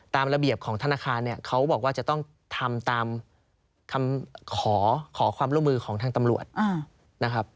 ตามระเบียบของธนาคารเนี่ยเขาบอกว่าจะต้องทำตามคำขอความร่วมมือของทางตำรวจนะครับ